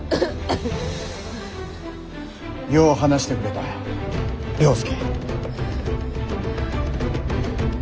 よう話してくれた了助。